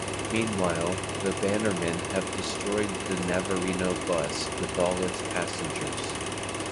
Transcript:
Meanwhile, the Bannermen have destroyed the Navarino bus with all its passengers.